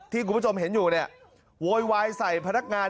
ที่กุมประจมเห็นอยู่โวยวายใส่พนักงาน